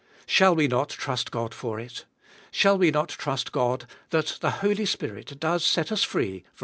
Shall we not trust God for it? Shall we not trust God that the Holy Spirit does set us free from the YIE1.